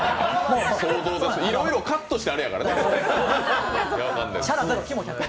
いろいろカットしてあれやからね。